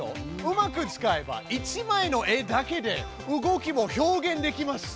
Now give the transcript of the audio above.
うまく使えば１枚の絵だけで動きも表現できます。